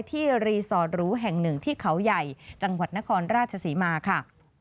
รีสอร์ทหรูแห่งหนึ่งที่เขาใหญ่จังหวัดนครราชศรีมาค่ะ